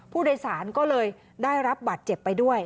ผู้โดยสารก็เลยได้รับบาดเจ็บไปด้วย